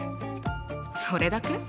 それだけ？